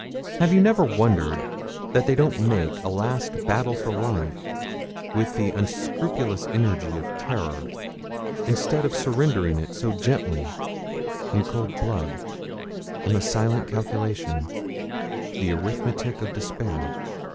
Have you never wondered that they don't make a last battle for life with the unscrupulous energy of terror, instead of surrendering it so gently in cold blood, on a silent calculation, the arithmetic of despair?